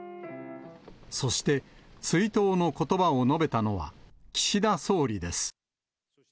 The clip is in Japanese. そして、追悼のことばを述べたのは、岸田総理です。